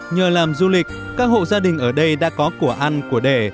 nhờ làm du lịch các hộ gia đình ở đây đã có của ăn của để